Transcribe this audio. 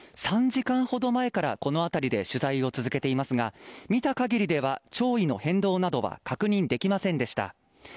３時間ほど前から、この辺りで取材を続けていますが見たかぎりでは潮位の変動などは確認できませんでした。